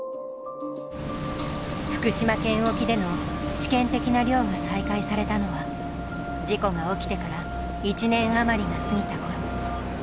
福島県沖での試験的な漁が再開されたのは事故が起きてから１年余りが過ぎたころ。